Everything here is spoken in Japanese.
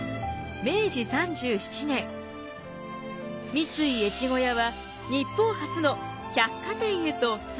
三井越後屋は日本初の百貨店へと姿を変えました。